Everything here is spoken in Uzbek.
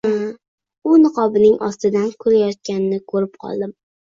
U niqobining ostidan kulayotganini ko`rib qoldim